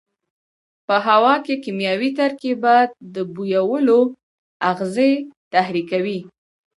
په هوا کې کیمیاوي ترکیبات د بویولو آخذې تحریکوي.